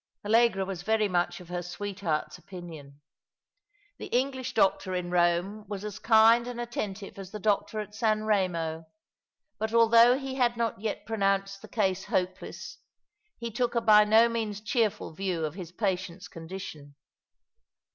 Allegra was very much of her sweetheart's opinion. The English doctor in Rome was as kind and attentive as the doctor at San Remo ; but although he had not yet pro nounced the case hopeless, he took a by no means cheerful view of his patient's condition.